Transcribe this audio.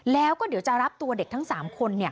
แล้วก็เดี๋ยวจะรับตัวเด็กทั้ง๓คน